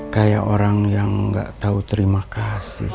kayak orang yang gak tau terima kasih